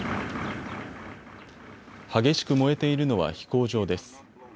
激しく燃えているのは飛行場です。